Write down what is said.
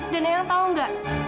dan eang tahu gak